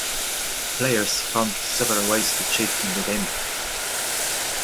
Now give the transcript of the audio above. Players found several ways to cheat in the game.